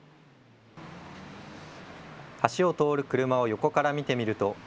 橋を通る車を横から見てみると。